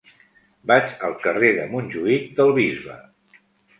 Vaig al carrer de Montjuïc del Bisbe.